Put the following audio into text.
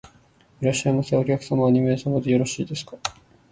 いらっしゃいませ。お客様は二名様でよろしいですか？